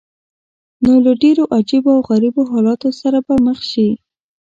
نو له ډېرو عجیبه او غریبو حالاتو سره به مخ شې.